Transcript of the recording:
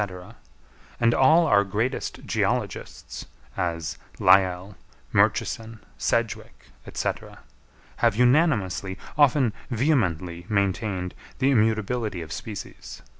and all our greatest geologists, as Lyell, Murchison, Sedgwick, &c., have unanimously, often vehemently, maintained the immutability of species.